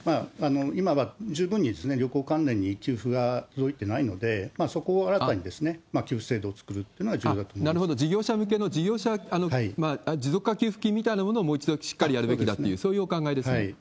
今は十分に旅行関連に給付が届いていないので、そこを新たに給付制度を作るってのが重要だとなるほど、事業者向けの持続化給付金みたいなものをもう一度しっかりやるべきだっていう、そういうお考えですね。